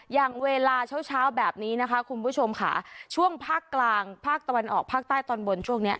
อย่างเวลาเช้าเช้าแบบนี้นะคะคุณผู้ชมค่ะช่วงภาคกลางภาคตะวันออกภาคใต้ตอนบนช่วงเนี้ย